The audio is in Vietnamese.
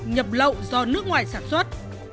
nhập lậu do nước ngoài sản xuất